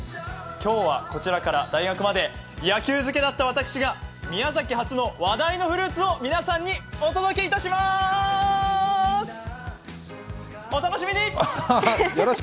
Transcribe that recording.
今日はこちらから大学まで野球漬けだった私が、宮崎発の話題のフルーツを皆様にお届けいたしまーす、お楽しみに。